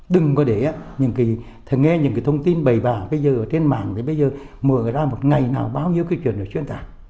đừng có để những cái thông tin bày bảo bây giờ trên mạng bây giờ mở ra một ngày nào bao nhiêu cái chuyện này xuyên tạc